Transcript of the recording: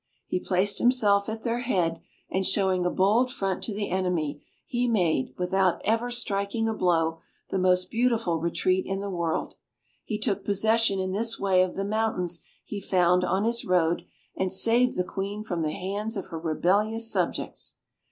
He placed himself at their head, and showing a bold front to the enemy, he made, without ever striking a blow, the most beautiful retreat in the world; he took possession in this way of the mountains he found on his road, and saved the Queen from the hands of her rebellious subjects.